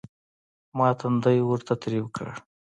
ما تندى ورته تريو کړ.